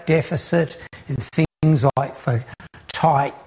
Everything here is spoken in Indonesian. dan hal hal seperti